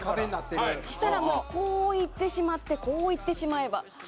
広瀬：そしたら、もうこう行ってしまってこう行ってしまえばとか。